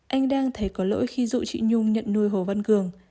anh đang thấy có lỗi khi dụ chị nhung nhận nuôi hồ văn cường